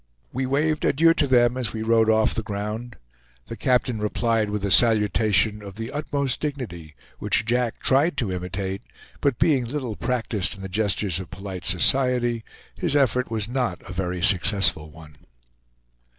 We waved adieu to them as we rode off the ground. The captain replied with a salutation of the utmost dignity, which Jack tried to imitate; but being little practiced in the gestures of polite society, his effort was not a very successful one.